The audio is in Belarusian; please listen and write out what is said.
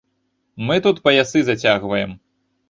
Мы тут паясы зацягваем.